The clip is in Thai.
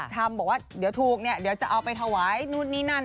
ทำบอกว่าเดี๋ยวถูกเนี่ยเดี๋ยวจะเอาไปถวายนู่นนี่นั่น